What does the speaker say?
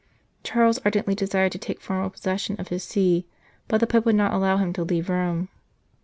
Charles ardently desired to take formal posses sion of his See, but the Pope would not allow him to leave Rome.